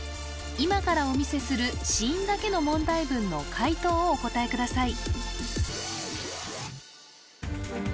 今からお見せする子音だけの問題文の解答をお答えください